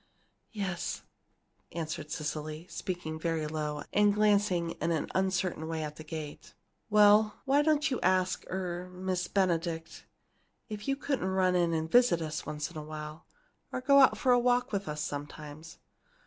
"Yes," answered Cecily, speaking very low, and glancing in an uncertain way at the gate. "Well, why don't you ask er Miss Benedict, if you couldn't run in and visit us once in a while, or go out for a walk with us sometimes?